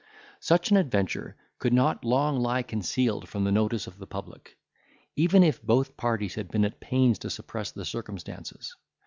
Such an adventure could not long lie concealed from the notice of the public, even if both parties had been at pains to suppress the circumstances.